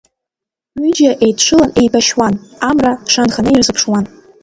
Ҩыџьа еидшылан еибашьуан, амра шанханы ирзыԥшуан.